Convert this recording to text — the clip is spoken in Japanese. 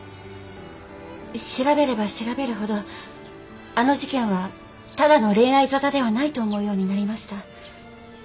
調べれば調べるほどあの事件はただの恋愛沙汰ではないと思うようになりました。